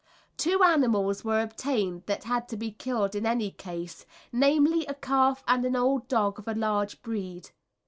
Two animals were obtained that had to be killed in any case, namely, a calf and an old dog of a large breed.